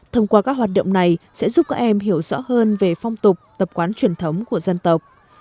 thông qua các hoạt động này sẽ giúp các em hiểu rõ hơn về phong tục tập quán truyền thống của dân tộc